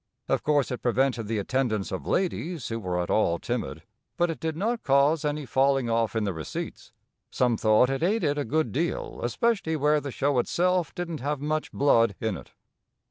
Of course it prevented the attendance of ladies who were at all timid, but it did not cause any falling off in the receipts. Some thought it aided a good deal, especially where the show itself didn't have much blood in it.